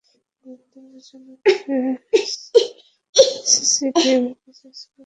গুরুত্ব বিবেচনা করে সিসিডিএমের কাছে আজকের ম্যাচটি মিরপুরে দেওয়ার আবেদন করেছিল মোহামেডান।